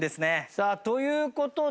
さあという事で。